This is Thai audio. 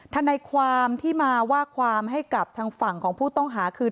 ทนายความที่มาว่าความให้กับทางฝั่งของผู้ต้องหาคือ